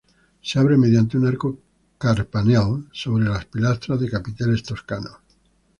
Se abre mediante un arco carpanel sobre pilastras de capiteles toscanos.